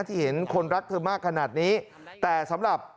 เห็นคนรักเธอมากขนาดนี้แต่สำหรับ